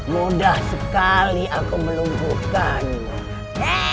mudah sekali aku melumpuhkannya